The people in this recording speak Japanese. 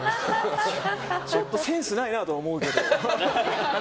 ちょっとセンスないなとは思うけど。